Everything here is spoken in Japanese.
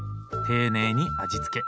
丁寧に味付け。